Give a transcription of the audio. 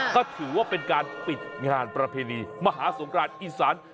ก็ถือว่าเป็นการปิดงานประเพณีมหาสงครานอีสาน